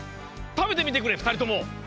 食べてみてくれふたりとも！